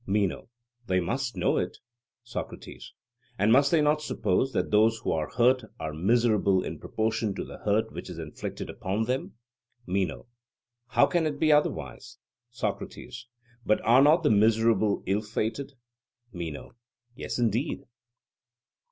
MENO: They must know it. SOCRATES: And must they not suppose that those who are hurt are miserable in proportion to the hurt which is inflicted upon them? MENO: How can it be otherwise? SOCRATES: But are not the miserable ill fated? MENO: Yes, indeed.